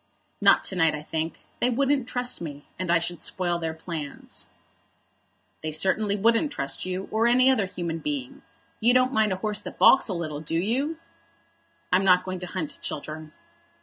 "Not to night, I think. They wouldn't trust me, and I should spoil their plans." "They certainly wouldn't trust you, or any other human being. You don't mind a horse that baulks a little, do you?" "I'm not going to hunt, Chiltern."